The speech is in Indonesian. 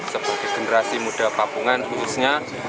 sebagai generasi muda papungan khususnya